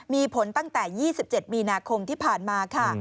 มีผลตั้งแต่๒๗มีนาคมที่ผ่านมาค่ะ